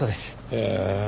へえ。